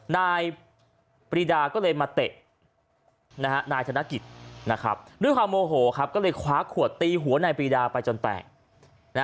นายปรีดาก็เลยมาเตะนายธนกิจนะครับด้วยความโมโหครับก็เลยคว้าขวดตีหัวนายปรีดาไปจนแตก